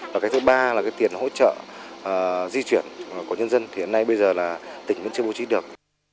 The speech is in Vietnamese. và cái thứ ba là cái tiền hỗ trợ di chuyển của nhân dân thì hiện nay bây giờ là tỉnh vẫn chưa bố trí được